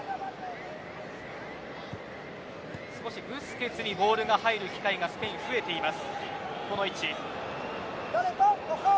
少しブスケツにボールが入る機会がスペイン、増えています。